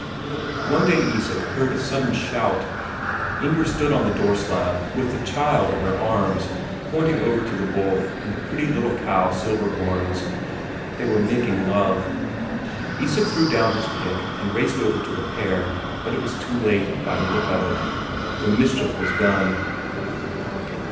One day Isak heard a sudden shout; Inger stood on the door slab with the child in her arms, pointing over to the bull and the pretty little cow Silverhorns they were making love. Isak threw down his pick and raced over to the pair, but it was too late, by the look of it. The mischief was done.